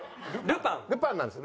ルパンなんです。